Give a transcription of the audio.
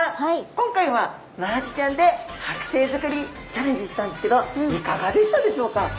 今回はマアジちゃんではく製づくりチャレンジしたんですけどいかがでしたでしょうか？